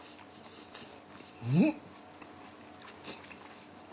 うん！